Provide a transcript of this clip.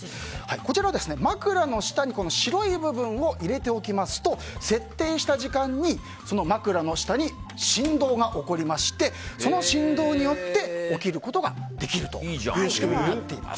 こちらは枕の下に白い部分を入れておきますと設定した時間に、その枕の下に振動が起こりましてその振動によって起きることができる仕組みになっています。